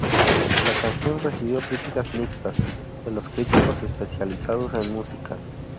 La canción recibió críticas mixtas de los críticos especializados en música.